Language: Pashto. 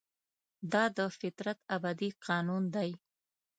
دا د فطرت ابدي قانون دی.